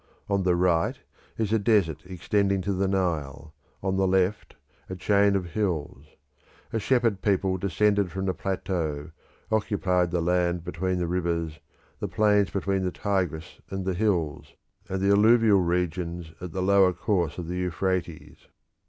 On the right is a desert extending to the Nile; on the left, a chain of hills. A shepherd people descended from the plateau, occupied the land between the rivers, the plains between the Tigris and the hills, and the alluvial regions at the lower course of the Euphrates.